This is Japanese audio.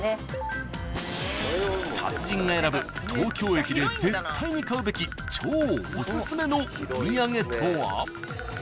［達人が選ぶ東京駅で絶対に買うべき超お薦めのお土産とは］